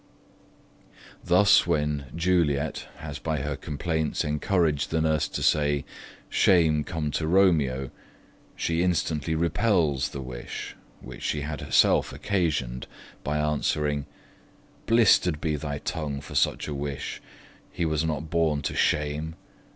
Thus when Juliet has by her complaints encouraged the Nurse to say, 'Shame come to Romeo', she instantly repels the wish, which she had herself occasioned, by answering: Blister'd be thy tongue For such a wish, he was not born to shame.